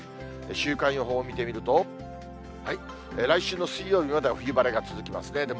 週間予報を見てみると、来週の水曜日までは冬晴れが続きますね。